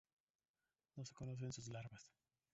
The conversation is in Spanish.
No se conocen sus larvas.